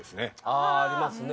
ああありますね。